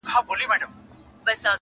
راته راکړۍ څه ډوډۍ مسلمانانو-